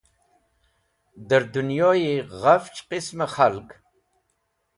Dẽr dẽnyoyi ghafch qismẽ k̃halg.